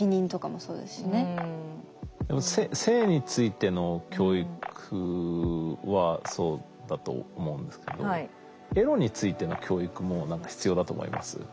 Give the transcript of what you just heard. やっぱ性についての教育はそうだと思うんですけどエロについての教育も必要だと思います。